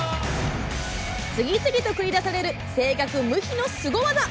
次々と繰り出される正確無比のスゴ技！